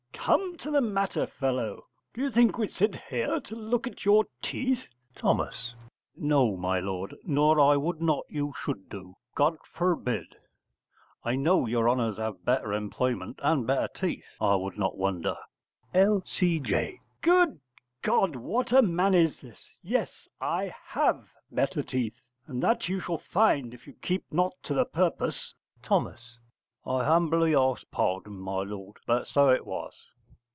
Come to the matter, fellow! Do you think we sit here to look at your teeth? Th. No, my lord, nor I would not you should do, God forbid! I know your honours have better employment, and better teeth, I would not wonder. L.C.J. Good God, what a man is this! Yes, I have better teeth, and that you shall find if you keep not to the purpose. Th. I humbly ask pardon, my lord, but so it was.